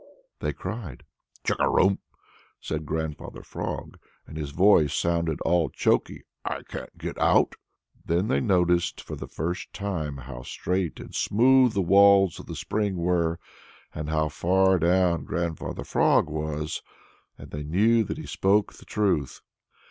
they cried. "Chugarum," said Grandfather Frog, and his voice sounded all choky, "I can't get out." Then they noticed for the first time how straight and smooth the walls of the spring were and how far down Grandfather Frog was, and they knew that he spoke the truth.